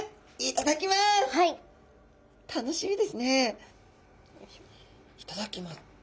いただきます。